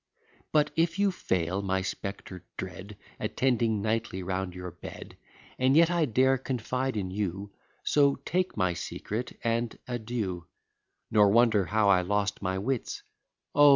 But, if you fail, my spectre dread, Attending nightly round your bed And yet I dare confide in you; So take my secret, and adieu: Nor wonder how I lost my wits: Oh!